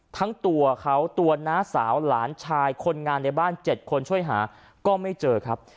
ทั้งตัวเขาตัวน้าสาวหลานชายคนงานในบ้าน๗คนช่วยหาก็ไม่เจอครับ